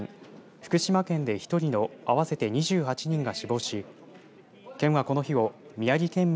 福島県で１人の合わせて２８人が死亡し県は、この日をみやぎ県民